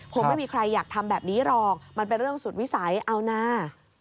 คงไม่มีใครอยากทำแบบนี้หรอกมันเป็นเรื่องสุดวิสัยเอานะ